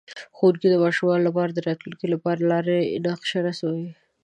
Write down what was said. ښوونکی د ماشومانو لپاره د راتلونکي لپاره د لارې نقشه رسموي.